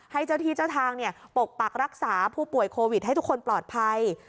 ให้เจ้าที่เจ้าทางปกปักรักษาผู้ป่วยโควิดให้ทุกคนปลอดภัย